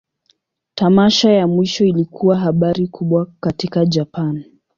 Tamasha ya mwisho ilikuwa habari kubwa katika Japan.